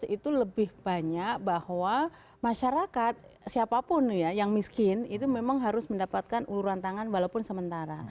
itu lebih banyak bahwa masyarakat siapapun yang miskin itu memang harus mendapatkan uluran tangan walaupun sementara